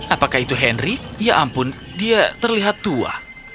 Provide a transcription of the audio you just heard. apakah itu henry ya ampun dia terlihat tua